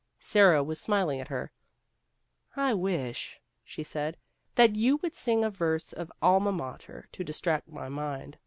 Sara was smiling at her. " I wish," she said, " that you would sing a verse of ' Alma Mater ' to distract my mind.